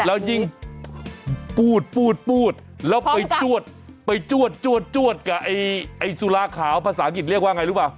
แล้วยิ่งปูดแล้วไปจวดไปจวดจวดกับไอ้สุราขาวภาษาอังกฤษเรียกว่าไงรู้ป่ะ